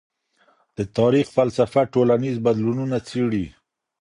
د تاریخ فلسفه ټولنیز بدلونونه څېړي.